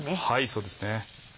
そうですね。